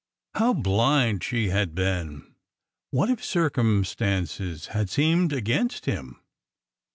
How blind she had been! What if circumstances had seemed against him?